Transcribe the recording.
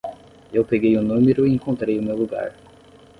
Eu peguei o número e encontrei o meu lugar.